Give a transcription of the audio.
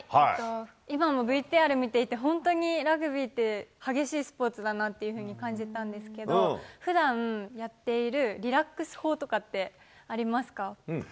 今もＶＴＲ見ていて、本当にラグビーって激しいスポーツだなっていうふうに感じたんですけど、ふだんやっているリラックス法とかってありますか。